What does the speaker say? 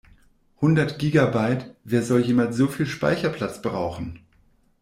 Hundert Gigabyte, wer soll jemals so viel Speicherplatz brauchen?